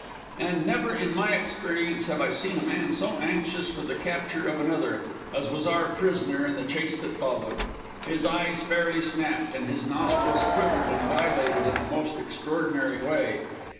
And never in my experience have I seen a man so anxious for the capture of another as was our prisoner in the chase that followed. His eyes fairly snapped, and his nostrils quivered and dilated in a most extraordinary way.